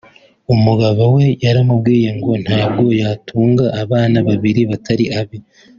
umugabo we yaramubwiye ngo ntabwo yatunga abana babiri batari abe